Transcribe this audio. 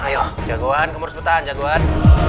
ayo jagoan kamu harus bertahan jagoan